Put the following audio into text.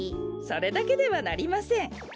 それだけではなりません。